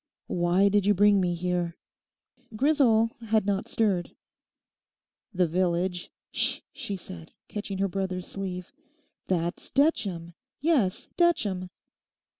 Why did you bring me here?' Grisel had not stirred. 'The village...' 'Ssh!' she said, catching her brother's sleeve; 'that's Detcham, yes, Detcham.